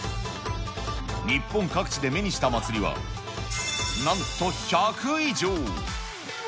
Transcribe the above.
日本各地で目にした祭りは、なんと１００以上。